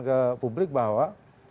ke publik bahwa